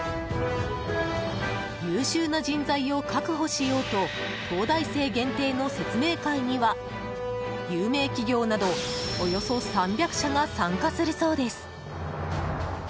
優秀な人材を確保しようと東大生限定の説明会には有名企業など、およそ３００社が参加するそうです。